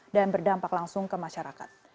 dan berdampak langsung ke masyarakat